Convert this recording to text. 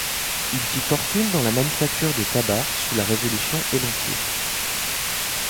Il fit fortune dans la manufacture de tabacs sous la Révolution et l'Empire.